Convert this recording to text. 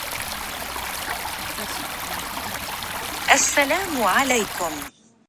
هل أحسنت التصرف اليوم؟